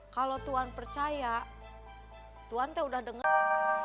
kalau tuan percaya tuan udah denger